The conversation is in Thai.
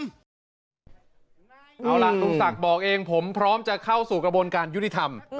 เอาล่ะลุงศักดิ์บอกเองผมพร้อมจะเข้าสู่กระบวนการยุติธรรม